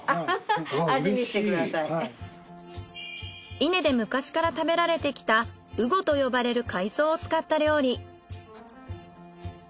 伊根で昔から食べられてきたうごと呼ばれる海藻を使った料理。